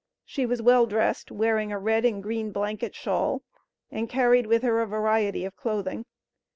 She was well dressed, wearing a red and green blanket shawl, and carried with her a variety of clothing.